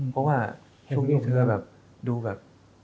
เพราะว่านี่เหมือนแบบดูแบบ